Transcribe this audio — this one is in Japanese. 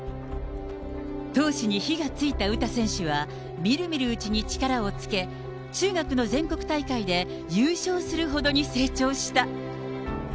闘志に火がついた詩選手は、見る見るうちに力をつけ、中学の全国大会で優勝するほどに成長した。